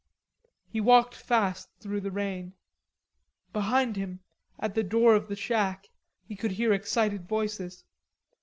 He walked fast through the rain. Behind him, at the door of the shack, he could hear excited voices.